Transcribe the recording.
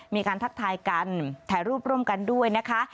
ทักทายกันถ่ายรูปร่วมกันด้วยนะคะ